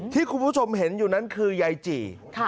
ที่คุณผู้ชมเห็นอยู่นั้นคือยายจี่